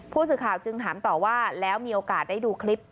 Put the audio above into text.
ผู้สื่อข่าวจึงถามต่อว่าแล้วมีโอกาสได้ดูคลิป